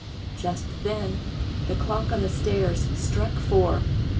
Just then the clock on the stairs struck four.